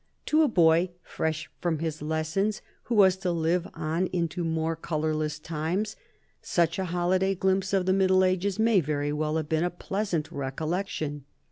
To a boy fresh from his lessons, who was to live on into more colourless times, such a holiday glimpse of the Middle Ages may very well have been a pleasant recollection.